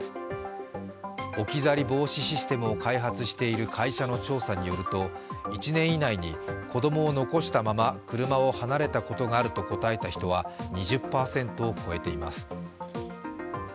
置き去り防止システムを開発している会社の調査によると１年以内に子供を残したまま車を離れたことがあると答えた人は２０％を超えています。